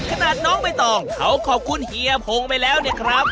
ขนาดน้องไม่ต้องเขาขอบคุณเฮียโภงไปแล้วเนี่ยครับ